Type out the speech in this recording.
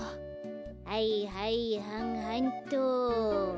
はいはいはんはんっと。